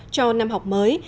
cho năm học mới